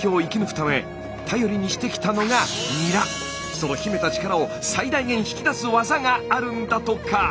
その秘めた力を最大限引き出す技があるんだとか。